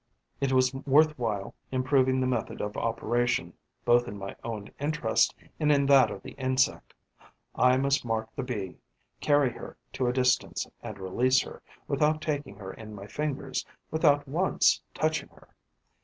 It was worth while improving the method of operation, both in my own interest and in that of the insect. I must mark the Bee, carry her to a distance and release her, without taking her in my fingers, without once touching her.